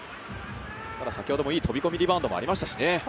先ほどもいい飛び込みリバウンドもありましたしね。